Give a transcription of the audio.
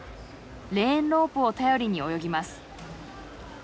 レーンロープを頼りに泳ぎます。